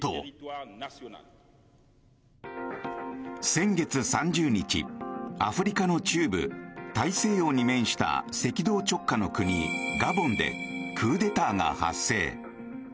先月３０日、アフリカの中部大西洋に面した赤道直下の国、ガボンでクーデターが発生。